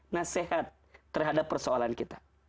nasihat terhadap persoalan kita